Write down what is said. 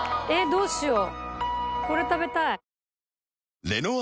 どうしよう。